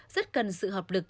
rất cần sự hợp lực